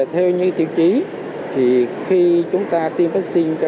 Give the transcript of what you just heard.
theo như tiêu chí khi chúng ta tiêm vaccine